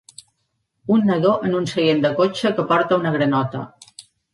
un nadó en un seient de cotxe que porta una granota